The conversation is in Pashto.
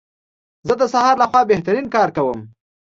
زه د سهار لخوا بهترین کار کوم.